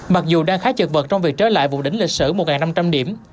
mặc dù đang khá chật vật trong việc trở lại vụ đỉnh lịch sử một năm trăm linh điểm